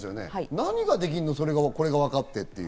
何ができるの、これが分かってっていう。